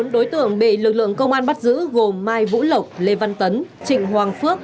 bốn đối tượng bị lực lượng công an bắt giữ gồm mai vũ lộc lê văn tấn trịnh hoàng phước